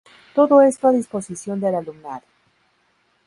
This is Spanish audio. Todo esto a disposición del alumnado.